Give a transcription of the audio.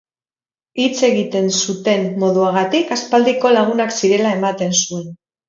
Hitz egiten zuten moduagatik aspaldiko lagunak zirela ematen zuen.